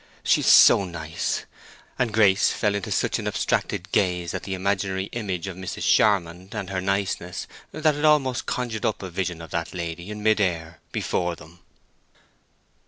She is SO nice!" And Grace fell into such an abstracted gaze at the imaginary image of Mrs. Charmond and her niceness that it almost conjured up a vision of that lady in mid air before them.